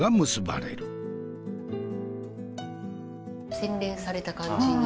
洗練された感じに。